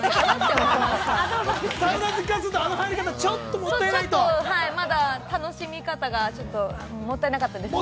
◆そう、ちょっと、はい、楽しみ方がちょっと、もったいなかったですね。